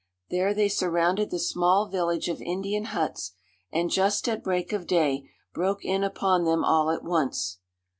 There they surrounded the small village of Indian huts, and just at break of day broke in upon them all at once.